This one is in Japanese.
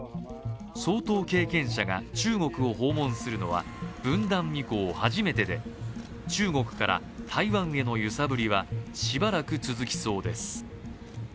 総統経験者が、中国を訪問するのは分断以降初めてで中国から台湾への揺さぶりはしばらく続きそうです。